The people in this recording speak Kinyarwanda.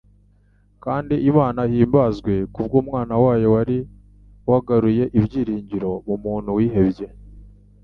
kandi Imana ihimbazwa ku bw'Umwana wayo wari wagaruye ibyiringiro mu muntu wihebye,